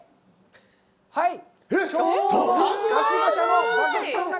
はい！